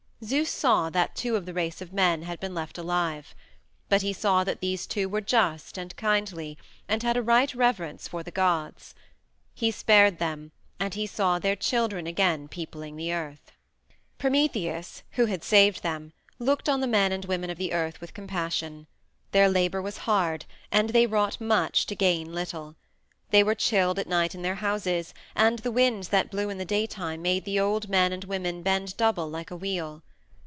Zeus saw that two of the race of men had been left alive. But he saw that these two were just and kindly, and had a right reverence for the gods. He spared them, and he saw their children again peopling the earth. Prometheus, who had saved them, looked on the men and women of the earth with compassion. Their labor was hard, and they wrought much to gain little. They were chilled at night in their houses, and the winds that blew in the daytime made the old men and women bend double like a wheel.